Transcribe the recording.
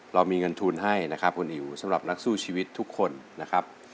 เรามีเงินทุนให้นะครับคุณอิ๋วสำหรับนักสู้ชีวิตทุกคนนะครับ